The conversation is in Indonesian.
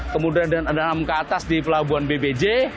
kemudian ada enam ke atas di pelabuhan bbj